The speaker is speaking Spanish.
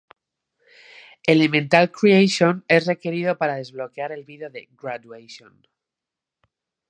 Elemental Creation es requerido para desbloquear el video de "Graduation".